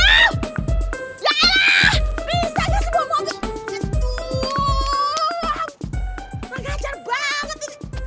enggak ajar banget